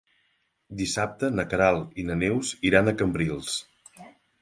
Dissabte na Queralt i na Neus iran a Cambrils.